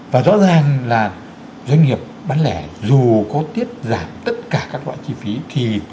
và rõ ràng là doanh nghiệp bán lẻ dù có tiết giảm tất cả các loại chi phí